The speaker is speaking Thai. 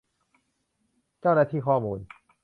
เจ้าหน้าที่ข้อมูล